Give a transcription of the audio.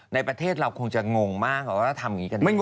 ในประเทศเราคงจะงงมากว่าเราทำอย่างนี้กันได้